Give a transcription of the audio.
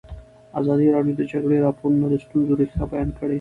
ازادي راډیو د د جګړې راپورونه د ستونزو رېښه بیان کړې.